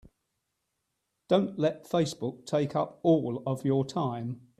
Don't let Facebook take up all of your time.